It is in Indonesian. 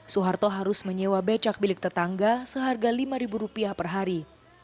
suharto harus menyewa becak bilik tetangga seharga lima rupiah per hari